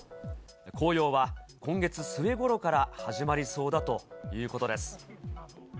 紅葉は今月末ごろから始まりそうだということです。